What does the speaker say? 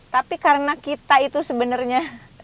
tapi karena kita itu sebenarnya